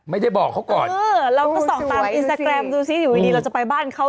ไม่ได้บอกเขาก่อนเออเราก็ส่องตามอินสตาแกรมดูสิอยู่ดีเราจะไปบ้านเขา